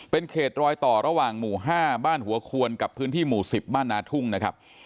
เป็นเขตรอยต่อระหว่างหมู่๕บ้านหัวควนกับพื้นที่หมู่๑๐บ้านนาทุ่งนะครับ